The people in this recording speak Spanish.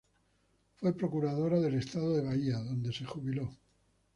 Fue Procuradora del Estado de Bahía, donde se jubiló.